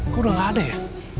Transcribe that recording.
kok udah nggak ada ya